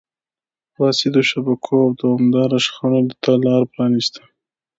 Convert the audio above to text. فاسدو شبکو او دوامداره شخړو ته لار پرانیسته.